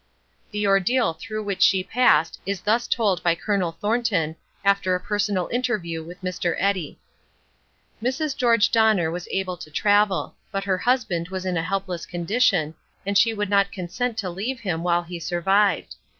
The ordeal through which she passed is thus told by Colonel Thornton, after a personal interview with Mr. Eddy: Mrs. George Donner was able to travel. But her husband was in a helpless condition, and she would not consent to leave him while he survived.